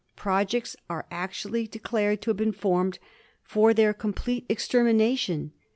Projects are actually de clared to have been formed for their complete extermina tion.